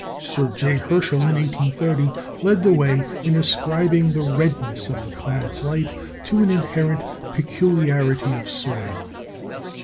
Sir J. Herschel in 1830 led the way in ascribing the redness of the planet's light to an inherent peculiarity of soil.